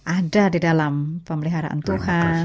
ada di dalam pemeliharaan tuhan